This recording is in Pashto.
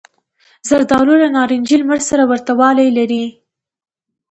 زردالو له نارنجي لمر سره ورته والی لري.